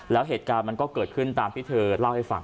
แล้วเหตุการณ์มันก็เกิดขึ้นตามที่เธอเล่าให้ฟัง